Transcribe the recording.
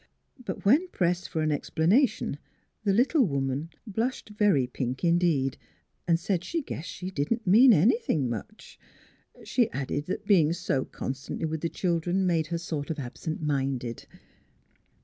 But when pressed for an explanation, the little woman blushed very pink indeed and said she guessed she didn't mean anything much. She added that being so constantly with the children made her sort of absent minded.